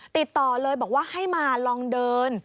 ติดต่อเลยบอกว่าให้มาลองเดิน